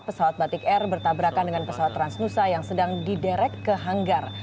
pesawat batik air bertabrakan dengan pesawat transnusa yang sedang diderek ke hanggar